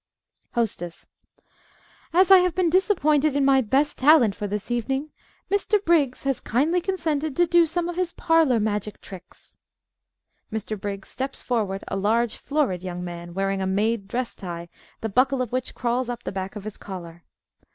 "_) HOSTESS As I have been disappointed in my best talent for this evening, Mr. Briggs has kindly consented to do some of his parlor magic tricks. (Mr. Briggs _steps forward, a large, florid young man, wearing a "made" dress tie, the buckle of which crawls up the back of his collar.